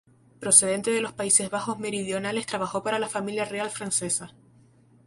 Procedente de los Países Bajos meridionales trabajó para la familia real francesa.